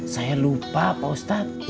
saya lupa pak ustadz